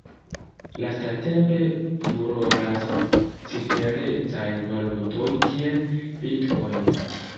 Lastatempe furoras ciferecaj valutoj kiel Bitcoin.